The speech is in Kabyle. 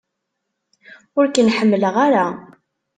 Ur ken-ḥemmleɣ ara!